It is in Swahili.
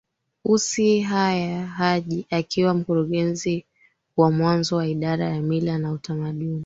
Ussi Yahya Haji akiwa mkurugenzi wa mwanzo wa Idara ya Mila na Utamaduni